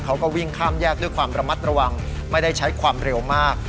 เขาก็วิ่งข้ามแยกด้วยความระมัดระวังไม่ได้ใช้ความเร็วมาก